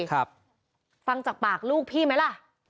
ฟังจากปากลูกพี่ไหมล่ะ